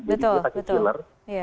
jadi dia pakai chiller